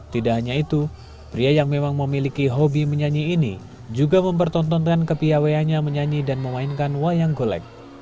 tidak hanya itu pria yang memang memiliki hobi menyanyi ini juga mempertontonkan kepiawayanya menyanyi dan memainkan wayang golek